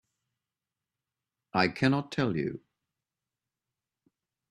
I cannot tell you.